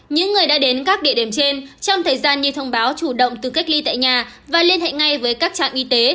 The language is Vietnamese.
những người đã đến các địa điểm trên trong thời gian như thông báo chủ động từ cách ly tại nhà và liên hệ ngay với các trạm y tế